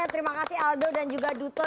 terima kasih aldo dan juga duto